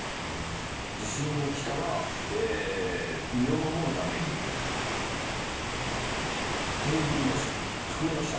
地震がきたら身を守るためにテーブルの机の下。